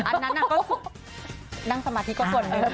อันนั้นก็นั่งสมาธิก็ส่วนหนึ่ง